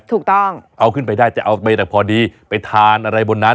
ถูกต้องเอาขึ้นไปได้จะเอาไปแต่พอดีไปทานอะไรบนนั้น